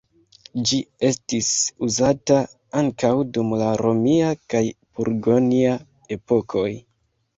Ĝi estis uzata ankaŭ dum la romia kaj burgonja epokoj.